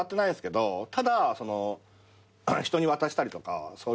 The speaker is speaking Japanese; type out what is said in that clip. ただ人に渡したりとかそういう。